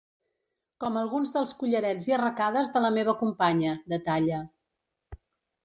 Com alguns dels collarets i arracades de la meva companya, detalla.